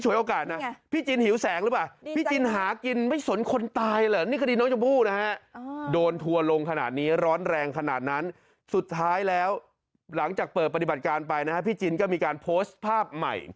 ยกมือไหวอ่ะยกมือไหวอ่ะโธ๊ตตรวจหะ